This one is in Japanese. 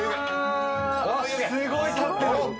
あっすごい立ってる！